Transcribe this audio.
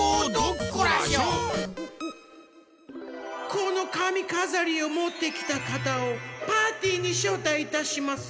このかみかざりをもってきたかたをパーティーにしょうたいいたします。